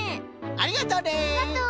ありがとう！